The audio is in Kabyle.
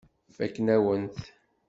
Fakken-awen-t.